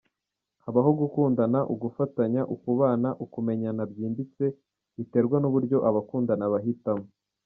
Habaho gukundana, ugufatanya, ukubana, ukumenyana byimbitse,…Biterwa n’uburyo abakundana bahitamo.